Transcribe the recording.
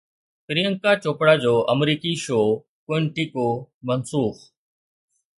پريانڪا چوپڙا جو آمريڪي show Quantico منسوخ